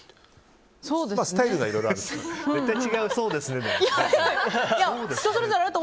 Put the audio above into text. スタイルがいろいろあると。